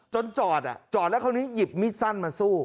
จนจอดอ่ะจอดแล้วเขาหนีหยิบมิสันมาสู้